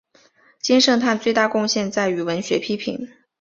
金圣叹最大贡献在于文学批评。